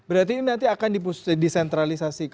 berarti ini nanti akan disentralisasi